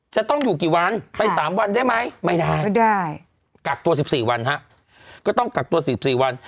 จะต้องอยู่กี่วันไปสามวันได้ไหมไม่ได้ก็ได้กักตัวสิบสี่วันฮะก็ต้องกักตัวสิบสี่วัน